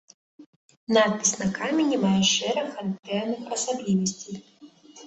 Надпіс на камені мае шэраг характэрных асаблівасцей.